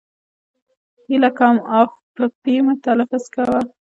هیله کوم اف په پي مه تلفظ کوی!